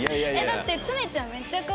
だって。